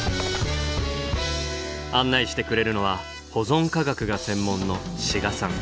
案内してくれるのは保存科学が専門の志賀さん。